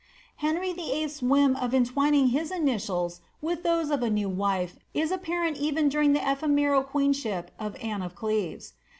Henry Vill.th's whim of entwining his initials with those of a new wife is apparent even during the ephemeral queenship of Anne of Cleves.